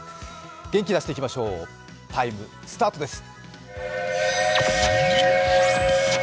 元気、出していきましょう「ＴＩＭＥ，」スタートです。